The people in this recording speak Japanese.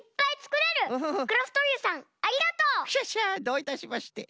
どういたしまして。